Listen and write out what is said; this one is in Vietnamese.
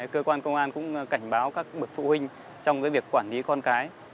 cơ quan công an cũng cảnh báo các bậc phụ huynh trong việc quản lý con cái